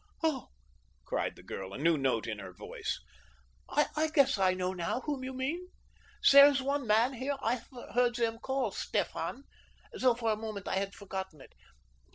"Oh!" cried the girl, a new note in her voice, "I guess I know now whom you mean. There is one man here I have heard them call Stefan, though for the moment I had forgotten it.